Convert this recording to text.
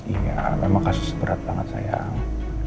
iya memang kasus berat sangat sayang